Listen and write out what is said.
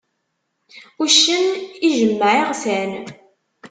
Uccen ijemmeɛ iɣessan.